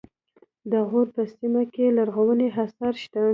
د غور په سیمه کې لرغوني اثار شته